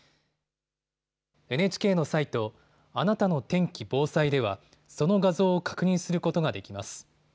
ＮＨＫのサイトあなたの天気・防災ではその画像を確認することができます。